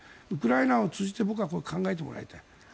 ウクライナを通じて考えてもらいたい。